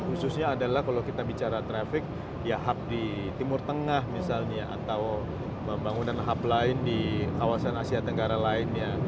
khususnya adalah kalau kita bicara traffic ya hub di timur tengah misalnya atau pembangunan hub lain di kawasan asia tenggara lainnya